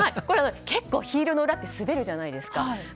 結構、ヒールの裏って滑るじゃないですか。